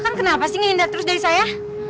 kang kenapa sih ngindah terus dari saya